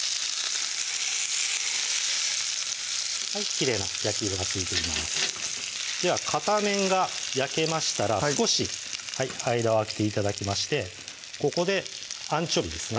きれいな焼き色がついていますでは片面が焼けましたら少し間を空けて頂きましてここでアンチョビーですね